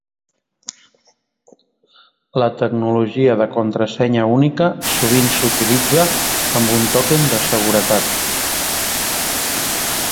La tecnologia de contrasenya única sovint s'utilitza amb un token de seguretat.